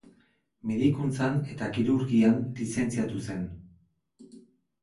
Medikuntzan eta kirurgian lizentziatu zen.